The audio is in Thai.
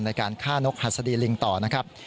ในการฆ่านกหัสดีลิงต่อนะครับ